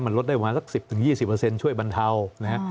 มันลดได้ประมาณสัก๑๐๒๐ช่วยบรรเทานะฮะ